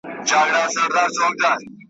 زه لار ورکی مسافر یمه روان یم ,